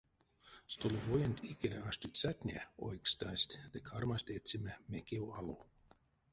Столовоенть икеле аштицятне ойкстасть ды кармасть эцеме мекев алов.